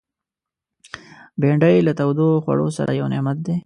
بېنډۍ له تودو خوړو سره یو نعمت دی